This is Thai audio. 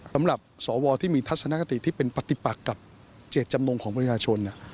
สำหรับสวที่มีทัศนคติที่เป็นปฏิปักกับเจตจำนงของประชาชน